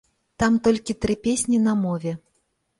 Там толькі тры песні на мове.